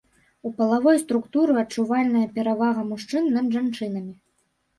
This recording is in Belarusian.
У палавой структуры адчувальная перавага мужчын над жанчынамі.